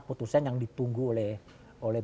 putusan yang ditunggu oleh